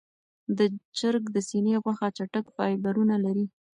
د چرګ د سینې غوښه چټک فایبرونه لري.